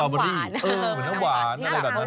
เหมือนน้ำหวานอะไรแบบนั้นนะ